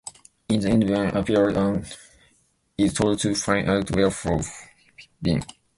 In the end Bem appears and is told to find out "where" from Bim.